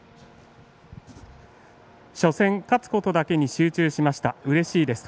初戦、勝つことだけに集中しました、うれしいです。